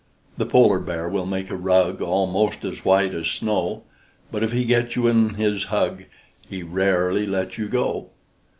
The polar bear will make a rug Almost as white as snow; But if he gets you in his hug, He rarely lets you go.